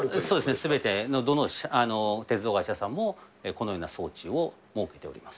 すべてどの鉄道会社さんも、このような装置を持っております。